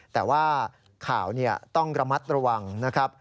แต่ว่าข่าวต้องระมัดระวังนะครับ